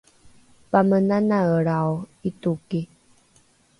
pamenanaelrao ’itoki